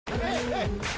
はい！